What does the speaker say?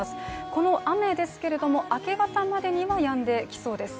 この雨ですけれども、明け方までには、やんできそうです。